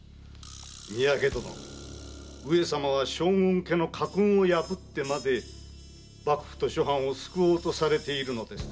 三宅殿上様は将軍家の家訓を破ってまで幕府と諸藩を救おうとされているのですぞ。